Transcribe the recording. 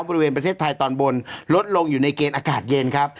บริเวณประเทศไทยตอนบนลดลงอยู่ในเกณฑ์อากาศเย็นครับ